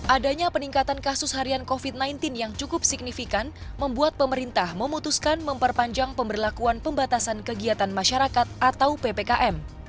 adanya peningkatan kasus harian covid sembilan belas yang cukup signifikan membuat pemerintah memutuskan memperpanjang pemberlakuan pembatasan kegiatan masyarakat atau ppkm